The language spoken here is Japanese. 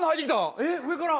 えっ上から。